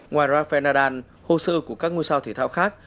ngoài rafael nadal hồ sơ của các ngôi sao thể thao khác